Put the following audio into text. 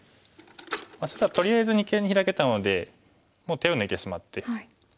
白はとりあえず二間にヒラけたのでもう手を抜いてしまって。